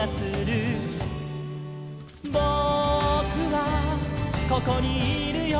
「ぼくはここにいるよ」